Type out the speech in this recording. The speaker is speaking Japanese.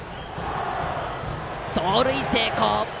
盗塁成功！